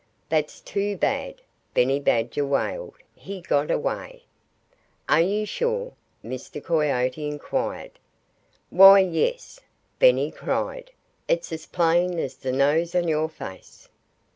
"That's too bad!" Benny Badger wailed. "He got away!" "Are you sure?" Mr. Coyote inquired. "Why, yes!" Benny cried. "It's as plain as the nose on your face."